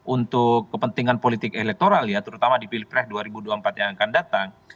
untuk kepentingan politik elektoral ya terutama di pilpres dua ribu dua puluh empat yang akan datang